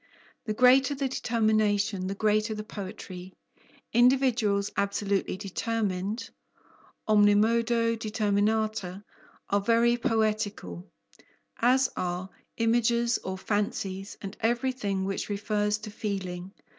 The greater the determination, the greater the poetry; individuals absolutely determined (omnimodo determinata) are very poetical, as are images or fancies, and everything which refers to feeling.